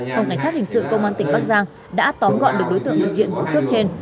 phòng cảnh sát hình sự công an tỉnh bắc giang đã tóm gọn được đối tượng thực hiện vụ cướp trên